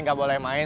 nggak boleh main